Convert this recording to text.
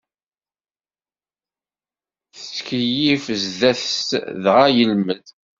Ttkiyyifen zdat-s dɣa yelmed.